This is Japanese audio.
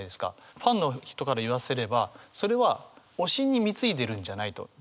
ファンの人から言わせればそれは推しに貢いでるんじゃないと。